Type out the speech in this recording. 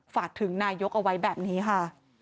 ฝากถึงนายกเอาไว้แบบนี้ค่ะ